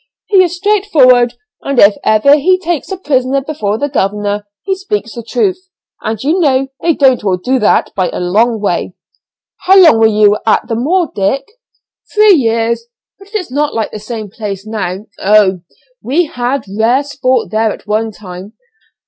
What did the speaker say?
He is straightforward, and if ever he takes a prisoner before the governor he speaks the truth, and you know they don't all do that, by a long way." "How long were you at the Moor, Dick?" "Three years; but it's not like the same place now. Oh! we had rare sport there at one time.